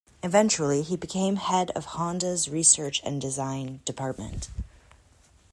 Eventually, he became head of Honda's Research and Design department.